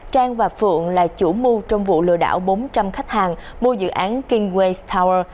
trang và phượng là chủ mưu trong vụ lừa đảo bốn trăm linh khách hàng mua dự án kingway tower